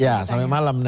iya sampai malam